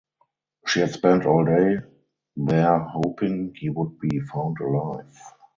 She had spent all day there hoping he would be found alive.